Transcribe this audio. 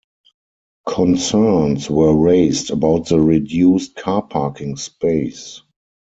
Concerns were raised about the reduced car parking space.